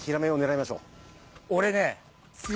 俺ね。